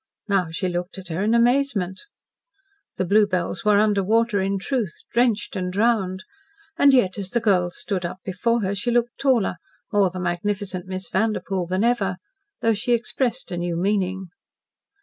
Now she looked at her in amazement. The blue bells were under water in truth drenched and drowned. And yet as the girl stood up before her, she looked taller more the magnificent Miss Vanderpoel than ever though she expressed a new meaning.